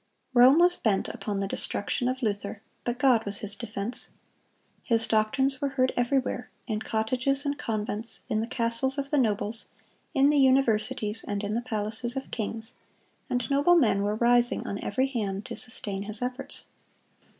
Rome was bent upon the destruction of Luther; but God was his defense. His doctrines were heard everywhere,—"in cottages and convents, ... in the castles of the nobles, in the universities, and in the palaces of kings;" and noble men were rising on every hand to sustain his efforts.